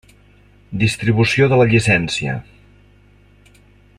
Distribució de la llicència.